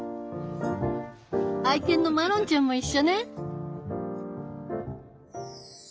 愛犬のマロンちゃんも一緒ね。